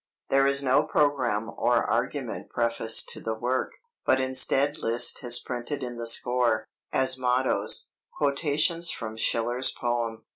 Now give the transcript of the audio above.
There is no programme or argument prefaced to the work, but instead Liszt has printed in the score, as mottoes, quotations from Schiller's poem.